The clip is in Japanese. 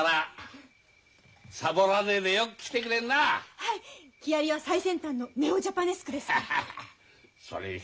はい木遣りは最先端のネオジャパネスクですから。